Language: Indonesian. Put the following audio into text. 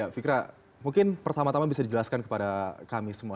fikra mungkin pertama tama bisa dijelaskan kepada kami semua